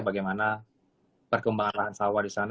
bagaimana perkembangan lahan sawah di sana